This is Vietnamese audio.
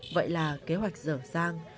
vậy là kế hoạch dở dàng